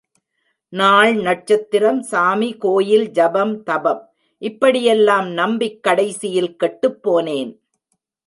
நாள், நட்சத்திரம், சாமி, கோயில், ஜெபம், தபம் இப்படி யெல்லாம் நம்பிக் கடைசியில் கெட்டுப்போனேன்.